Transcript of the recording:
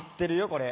これ。